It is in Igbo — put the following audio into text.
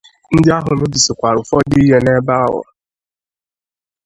Ndị ahụ mebìsìkwara ụfọdụ ihe n'ebe ahụ